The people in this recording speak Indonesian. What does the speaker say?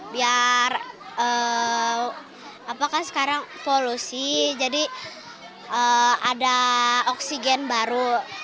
biar sekarang polusi jadi ada oksigen baru